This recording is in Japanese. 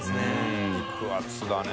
Δ肉厚だね。